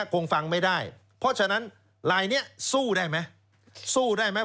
คงฟังไม่ได้เพราะฉะนั้นลายนี้สู้ได้ไหมสู้ได้ไหม